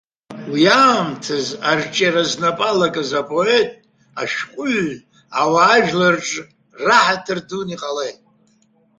Уи аамҭазы арҿиара знапы алакыз апоет, ашәҟәыҩҩы ауаажәлар рҿы раҳаҭыр дуны иҟалеит.